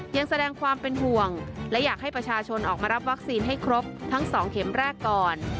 ยังแสดงความเป็นห่วงและอยากให้ประชาชนออกมารับวัคซีนให้ครบทั้ง๒เข็มแรกก่อน